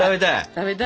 食べたい！